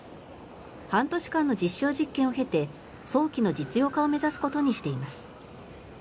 半年間の実証実験を経て早期の実用化を目指すことにしています。